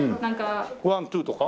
ワンツーとか？